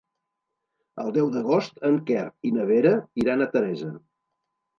El deu d'agost en Quer i na Vera iran a Teresa.